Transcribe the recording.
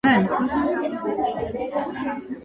სასროლო მანძილების სიშორე დამოკიდებულია იარაღის სახეობაზე.